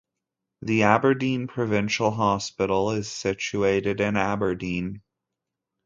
The Aberdeen Provincial Hospital is situated in Aberdeen.